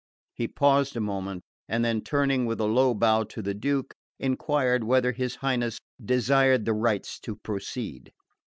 He paused a moment, and then, turning with a low bow to the Duke, enquired whether his Highness desired the rites to proceed.